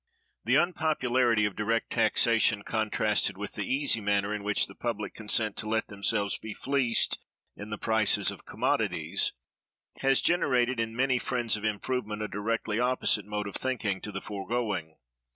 The unpopularity of direct taxation, contrasted with the easy manner in which the public consent to let themselves be fleeced in the prices of commodities, has generated in many friends of improvement a directly opposite mode of thinking to the foregoing.